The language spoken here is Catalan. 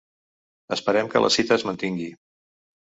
Esperem que la cita es mantingui.